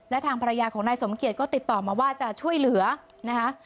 และทางภรรยาของนายสมเกียจก็ติดต่อมาว่าจะช่วยเหลือนะคะ